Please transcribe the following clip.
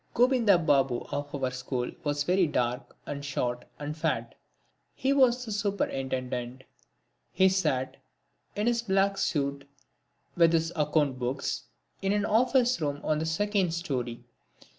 Gobinda Babu of our school was very dark, and short and fat. He was the Superintendent. He sat, in his black suit, with his account books, in an office room on the second storey.